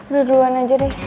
berduan aja deh